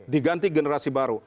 diganti generasi baru